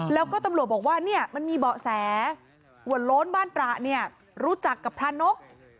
แล้วก็ตำรวจบอกว่าเนี่ยมันมีเบาะแสว่าโล้นบ้านตระเนี่ยรู้จักกับพระนก